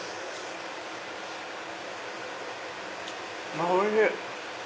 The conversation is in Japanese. あおいしい！